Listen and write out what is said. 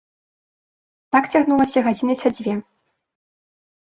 Так цягнулася гадзіны са дзве.